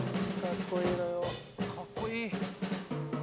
かっこいい。